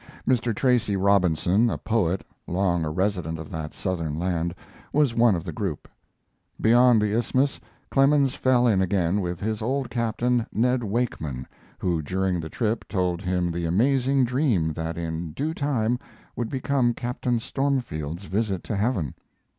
Mr. Tracy Robinson, a poet, long a resident of that southern land, was one of the group. Beyond the isthmus Clemens fell in again with his old captain, Ned Wakeman, who during the trip told him the amazing dream that in due time would become Captain Stormfield's Visit to Heaven.